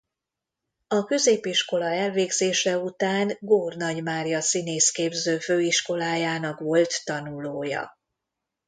A középiskola elvégzése után Gór Nagy Mária Színészképző Főiskolájának volt tanulója.